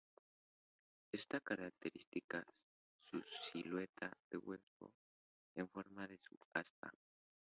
Es característica su silueta de vuelo en forma de aspa.